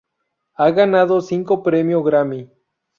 Ha ganado cinco Premio Grammy.